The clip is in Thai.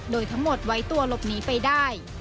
โดยทั้งหมดไว้ตัวหลบหนีไปได้